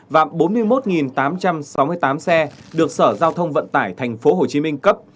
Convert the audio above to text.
và bốn mươi một tám trăm sáu mươi tám xe được sở giao thông vận tải tp hcm cấp